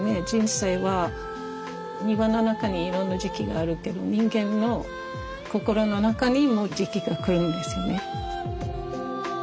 人生は庭の中にいろんな時期があるけど人間の心の中にも時期が来るんですよね。